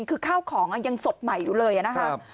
คือข้าวของยังสดใหม่อยู่เลยนะครับ